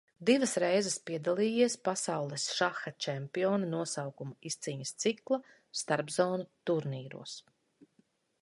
Divas reizes piedalījies Pasaules šaha čempiona nosaukuma izcīņas cikla starpzonu turnīros.